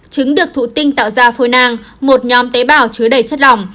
trứng được thụ tinh tạo ra phôi nang một nhóm tế bào chứa đầy chất lỏng